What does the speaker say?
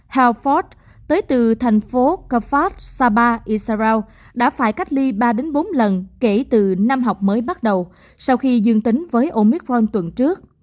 hawfod tới từ thành phố kafast saba isaraok đã phải cách ly ba bốn lần kể từ năm học mới bắt đầu sau khi dương tính với omicron tuần trước